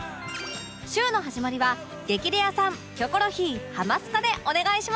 週の始まりは『激レアさん』『キョコロヒー』『ハマスカ』でお願いします！